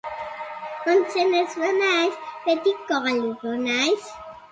Ontzen ez banaiz, betiko galduko naiz.